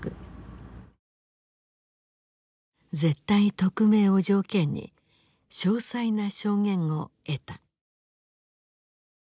絶対匿名を条件に詳細な証言を得た。